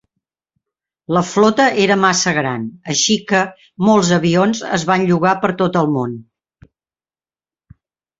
La flota era massa gran, així que molts avions es van llogar per tot el món.